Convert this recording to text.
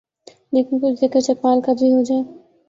لیکن کچھ ذکر چکوال کا بھی ہو جائے۔